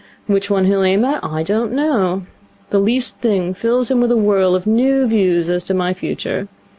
Which one he'll aim at I don't know. The least thing fills him with a whirl of new views as to my future.